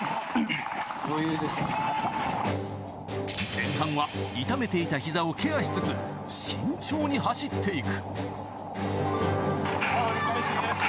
前半は痛めていた膝をケアしつつ慎重に走っていく。